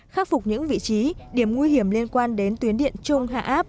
khắc phục những vị trí điểm nguy hiểm liên quan đến tuyến điện trung hạ áp